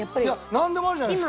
なんでもあるじゃないですか。